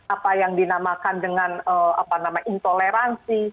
apa yang dinamakan dengan intoleransi